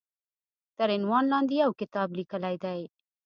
تر عنوان لاندې يو کتاب ليکلی دی